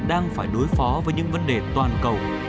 đang phải đối phó với những vấn đề toàn cầu